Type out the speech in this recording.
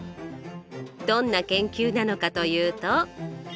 どんな研究なのかというと。